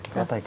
các tay cổ